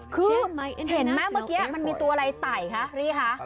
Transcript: คือเห็นไหมเมื่อกี้มันมีตัวอะไรไต่คะนี่คะ